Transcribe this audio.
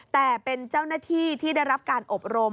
แต่เป็นเจ้าหน้าที่ที่ได้รับการอบรม